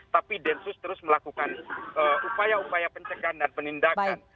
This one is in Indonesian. tapi densus terus melakukan upaya upaya pencegahan dan penindakan